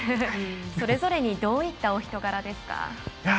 それぞれにどういったお人柄ですか？